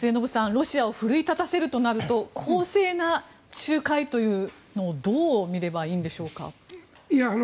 ロシアを奮い立たせるとなると公正な仲介というのをどう見ればいいんでしょうか。